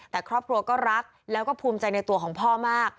แต่ครอบครัวก็รักแล้วก็ภูมิใจในตัวของพ่อมาก